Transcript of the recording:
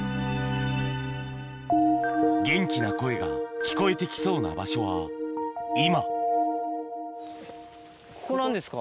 元気な声が聞こえて来そうな場所は今ここ何ですか？